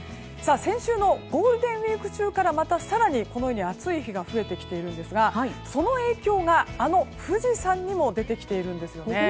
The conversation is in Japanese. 先週のゴールデンウィーク中からまた更に、このように暑い日が増えてきているんですがその影響が、あの富士山にも出てきているんですよね。